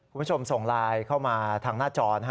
คุณผู้ชมส่งลายเข้ามาทางหน้าจร